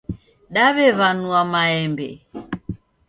Daw'ew'anua maembe.